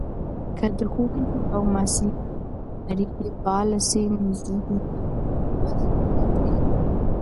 که د ښوونکو او محصلینو اړیکې فعاله سي، نو زده کړه به وده وکړي.